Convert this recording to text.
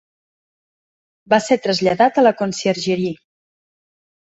Va ser traslladat a la "Conciergerie".